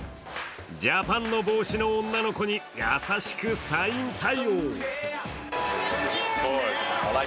ジャパンの帽子の女の子に優しくサイン対応。